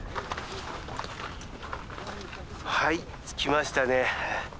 はい着きましたね。